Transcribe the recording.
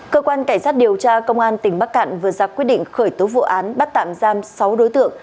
cơ quan cảnh sát điều tra công an tỉnh bắc cạn vừa ra quyết định khởi tố vụ án bắt tạm giam sáu đối tượng